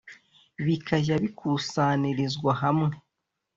bikajya bikusanirizwa hamwe